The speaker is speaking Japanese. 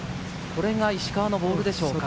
これが石川のボールでしょうか？